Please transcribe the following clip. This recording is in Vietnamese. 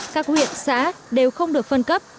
các huyện xã đều không được phân cấp